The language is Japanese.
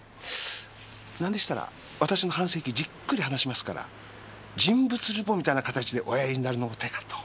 なんでしたら私の半生記じっくり話しますから人物ルポみたいな形でおやりになるのも手かと。